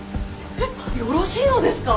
・えっよろしいのですか。